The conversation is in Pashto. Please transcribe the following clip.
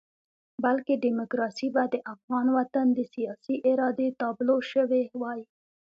بلکې ډیموکراسي به د افغان وطن د سیاسي ارادې تابلو شوې وای.